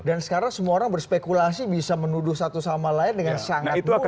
dan sekarang semua orang berspekulasi bisa menuduh satu sama lain dengan sangat mudah gitu pak